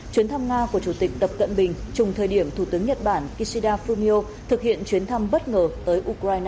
chuyến thăm nga của chủ tịch tập cận bình chung thời điểm thủ tướng nhật bản kishida fumio thực hiện chuyến thăm bất ngờ tới ukraine